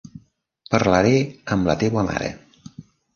Parlaré amb la teua mare.